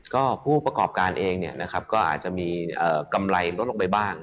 ก็ผู้ประกอบการเองก็อาจจะมีกำไรลดลงไปบ้าง